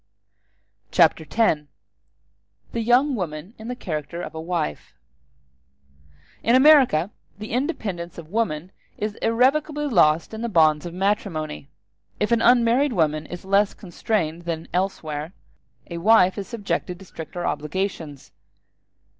Chapter X: The Young Woman In The Character Of A Wife In America the independence of woman is irrevocably lost in the bonds of matrimony: if an unmarried woman is less constrained there than elsewhere, a wife is subjected to stricter obligations.